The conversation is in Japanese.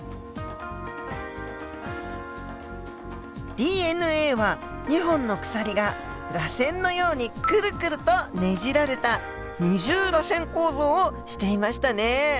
ＤＮＡは２本の鎖がらせんのようにくるくるとねじられた二重らせん構造をしていましたね。